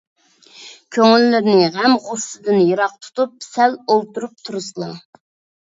كۆڭۈللىرىنى غەم - غۇسسىدىن يىراق تۇتۇپ، سەل ئولتۇرۇپ تۇرسىلا.